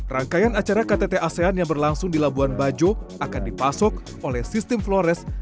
rangkaian acara ktt asean yang berlangsung di labuan bajo akan dipasok oleh sistem flores